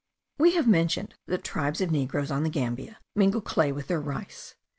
We have mentioned that tribes of Negroes on the Gambia mingle clay with their rice.